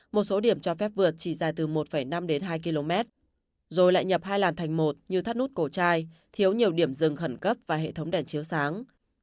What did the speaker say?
một số điểm cho phép vượt chỉ dài từ một năm đến hai km rồi lại nhập hai làn thành một như thắt nút cổ trai thiếu nhiều điểm rừng khẩn cấp và hệ thống đèn chiếu sáng